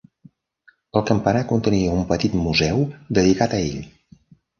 El campanar contenia un petit museu dedicat a ell.